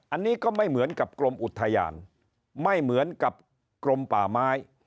อันนี้ก็ไม่เหมือนกับกรมอุทยานไม่เหมือนกับกรมป่าไม้